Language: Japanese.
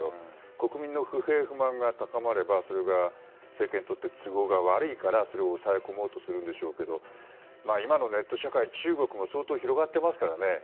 国民の不平不満が高まればそれが世間にとって都合が悪いから、それを抑え込もうとするんでしょうけど今のネット社会、中国も相当広がっていますからね。